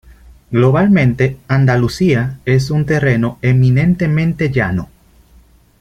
Globalmente, Andalucía es un terreno eminentemente llano.